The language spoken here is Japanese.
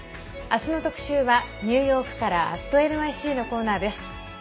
明日の特集はニューヨークから「＠ｎｙｃ」のコーナーです。